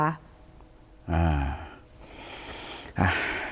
อ่าอ่า